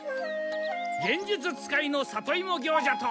幻術使いの里芋行者と。